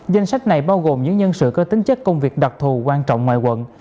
danh sách này bao gồm những nhân sự có tính chất công việc đặc thù quan trọng ngoài quận